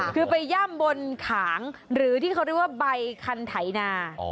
คือไปย่ำบนขางหรือที่เขาเรียกว่าใบคันไถนา